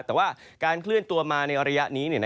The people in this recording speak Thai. แต่ว่าการเคลื่อนตัวมาในระยะนี้